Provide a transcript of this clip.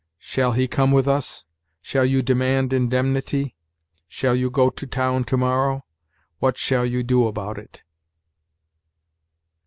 "Shall he come with us?" "Shall you demand indemnity?" "Shall you go to town to morrow?" "What shall you do about it?"